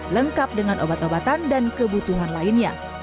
lengkap dengan obat obatan dan kebutuhan lainnya